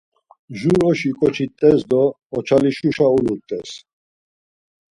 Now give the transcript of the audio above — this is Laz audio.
Jur oşi ǩoçi t̆es do oçalişuşa ulut̆es.